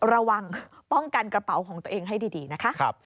ระวังป้องกันกระเป๋าของตัวเองให้ดีนะคะ